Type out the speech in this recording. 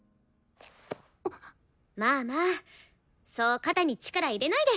まあまあそう肩に力入れないで！